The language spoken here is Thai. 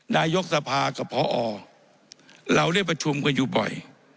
นายกสภากับพอเราได้ประชุมกันอยู่บ่อย